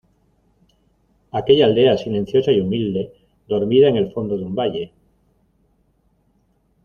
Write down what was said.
aquella aldea silenciosa y humilde, dormida en el fondo de un valle